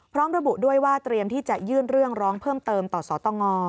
พร้อมระบุด้วยว่าเตรียมที่จะยื่นเรื่องร้องเพิ่มเติมต่อสตง